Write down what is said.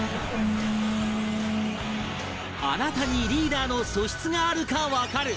あなたにリーダーの素質があるかわかる